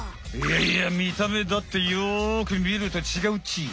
いやいや見た目だってよく見ると違うっち。